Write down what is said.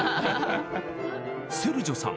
セルジョさん